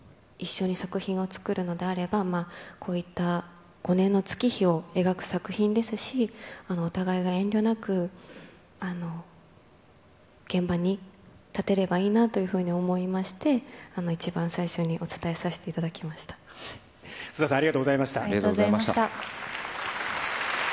一緒に作品を作るのであれば、こういった５年の月日を描く作品ですし、お互いが遠慮なく、現場に立てればいいなというふうに思いまして、一番最初にお伝え菅田さん、ありがとうございありがとうございました。